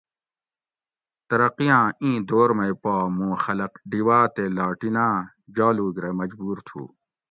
ترقی آۤں اِیں دور مئی پا مُوں خلق ڈِیواۤ تے لاٹیناۤں جالوگ رہ مجبور تُھو